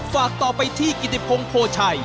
ฝากต่อไปที่กิติพงศ์โพชัย